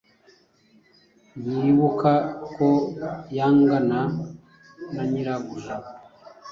ntiyibuka ko yangana na nyirabuja,